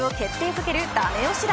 づけるダメ押し打。